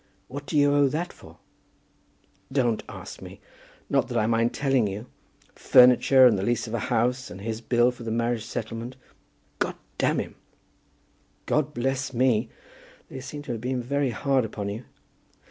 "What do you owe that for?" "Don't ask me. Not that I mind telling you; furniture, and the lease of a house, and his bill for the marriage settlement, d him." "God bless me. They seem to have been very hard upon you."